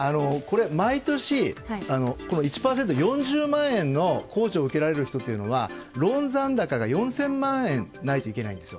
毎年、１％、４０万円の控除を受けられる人というのはローン残高が４０００万円ないといけないんですよ。